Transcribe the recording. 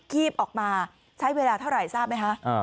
คีบออกมาใช้เวลาเท่าไหร่ทราบไหมคะ